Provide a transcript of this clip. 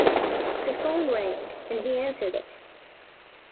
The phone rang and he answered it.